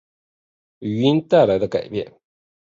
语音带来的改变